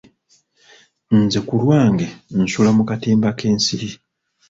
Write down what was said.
Nze ku lwange nsula mu katimba k'ensiri.